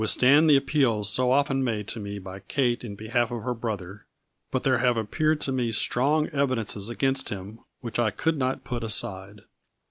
189 stand the appeals so often made to me by Kate in behalf of her brother, but there have appeared to me strong evidences against him which I could not put aside.